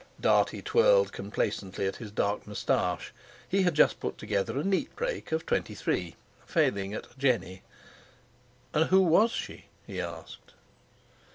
Dartie twirled complacently at his dark moustache. He had just put together a neat break of twenty three,—failing at a "Jenny." "And who was she?" he asked.